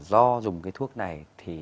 do dùng cái thuốc này